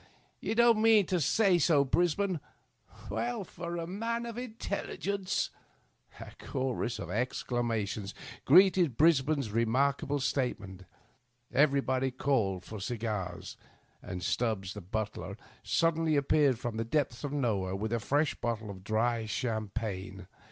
You don't mean to say so, Brisbane? Well, for a man of his intelligence!" A chorus of exclamations greeted Brisbane's re^ markable statement. Everybody called for cigars, and Stubbs the bntler suddenly appeared from the depths of nowhere with a fresh bottle of dry cham pagne.